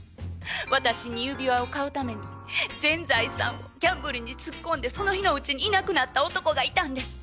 私に指輪を買うために全財産ギャンブルにつっこんでその日のうちにいなくなった男がいたんです。